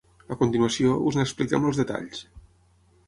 A continuació, us n'expliquem els detalls.